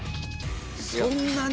そんなに？